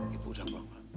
ibu udah ngopr